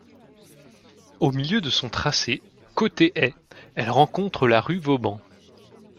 Au milieu de son tracé, côté est, elle rencontre la rue Vauban.